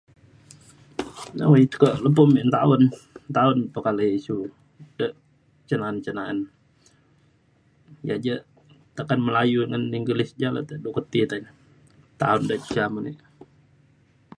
Nawai tekak lepa ame nta awen ta’en pekalai isiu de cen na’an cen na’an ja ja te ken Melayu ngan English ja la du ke ti tai na [unintelligible]